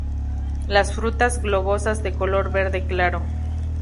Las frutas globosas de color verde claro.